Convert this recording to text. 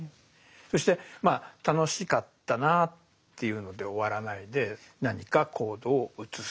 そしてまあ楽しかったなっていうので終わらないで何か行動を移す。